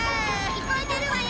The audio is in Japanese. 聞こえてるわよ。